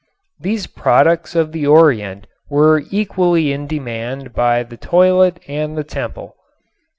These products of the Orient were equally in demand by the toilet and the temple.